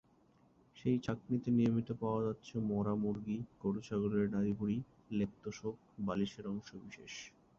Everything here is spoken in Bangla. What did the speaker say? সেই ছাঁকনিতে নিয়মিত পাওয়া যাচ্ছে মরা মুরগি, গরু-ছাগলের নাড়িভুঁড়ি, লেপ-তোশক-বালিশের অংশবিশেষ।